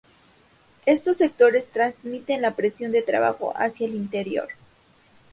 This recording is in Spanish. Estos sectores transmiten la presión de trabajo hacia el interior.